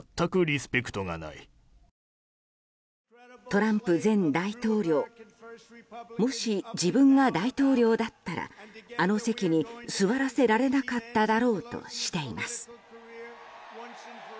トランプ前大統領もし、自分が大統領だったらあの席に座らせられなかっただろうとしています。